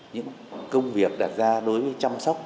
những công việc đặt ra đối với chăm sóc